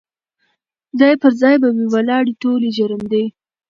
ځاي پر ځای به وي ولاړي ټولي ژرندي